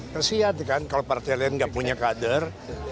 kasihan kalau partai lain tidak punya kader